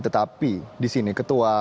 tetapi disini ketua